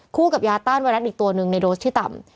กับยาต้านไวรัสอีกตัวหนึ่งในโดสที่ต่ำ